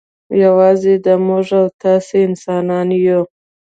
یوازې دا موږ او تاسې انسانان یو.